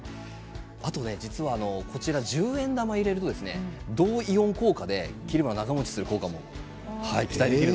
あと実は、こちら十円玉を入れておくと銅イオン効果で切り花が長もちする効果も期待されます。